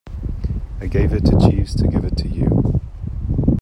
I gave it to Jeeves to give it to you.